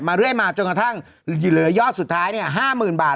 เรื่อยมาจนกระทั่งเหลือยอดสุดท้าย๕๐๐๐บาท